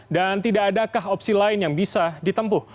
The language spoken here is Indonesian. dan tidak adakah opsi lain yang bisa ditempuh